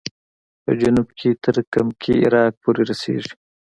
په جنوب کې تر کمکي عراق پورې رسېږي.